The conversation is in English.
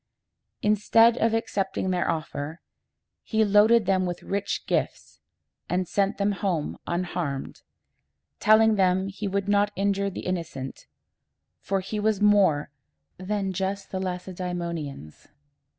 Instead of accepting their offer, he loaded them with rich gifts, and sent them home unharmed, telling them he would not injure the innocent, for he was more just than the Lac e dæ mo´ni ans.